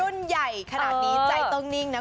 รุ่นใหญ่ขนาดนี้ใจเต้มนิ่งนะคุณ